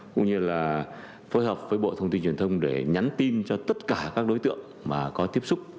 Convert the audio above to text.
cũng như là phối hợp với bộ thông tin truyền thông để nhắn tin cho tất cả các đối tượng mà có tiếp xúc